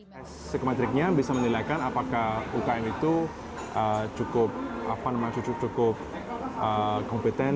psychometricnya bisa menilai apakah ukm itu cukup kompeten